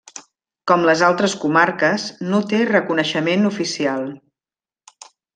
Com les altres comarques, no té reconeixement oficial.